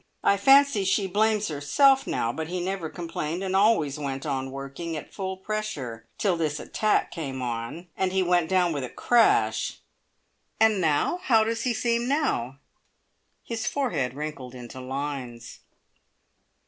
I fancy she blames herself now; but he never complained, and always went on working at full pressure, till this attack came on, and he went down with a crash." "And now? How does he seem now?" His forehead wrinkled into lines.